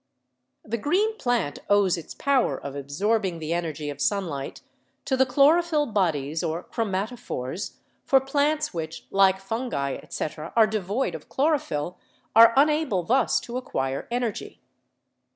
The green plant owes its power of absorbing the energy of sunlight to the chlorophyll bodies or chromatophores, tor plants which, like fungi, etc., are devoid of chlorophyll, are unable thus to acquire energy.